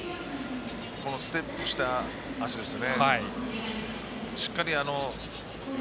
ステップした足ですよね。